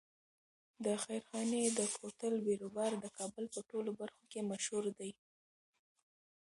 د خیرخانې د کوتل بیروبار د کابل په ټولو برخو کې مشهور دی.